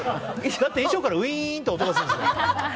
だって衣裳からウィーンって音がするんですよね。